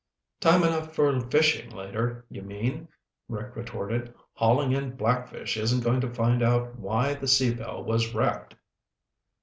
"Time enough for fishing later, you mean," Rick retorted. "Hauling in blackfish isn't going to find out why the Sea Belle was wrecked."